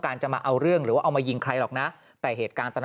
จะมาเอาเรื่องหรือว่าเอามายิงใครหรอกนะแต่เหตุการณ์ตอนนั้น